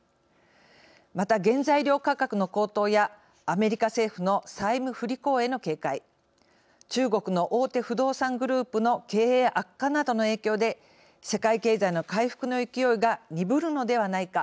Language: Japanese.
また、原材料価格の高騰やアメリカ政府の債務不履行への警戒中国の大手不動産グループの経営悪化などの影響で世界経済の回復の勢いが鈍るのではないか。